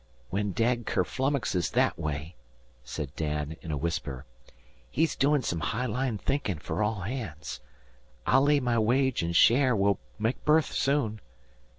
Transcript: "When Dad kerflummoxes that way," said Dan in a whisper, "he's doin' some high line thinkin' fer all hands. I'll lay my wage an' share we'll make berth soon.